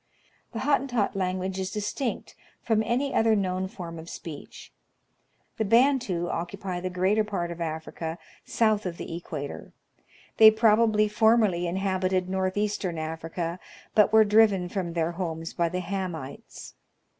The Hottentot language is distinct from any other known form of speech. The Bantu occupy the greater part of Africa south of the equator. They probably formerly inhabited north eastern Africa, but were driven from their homes by the Hamites.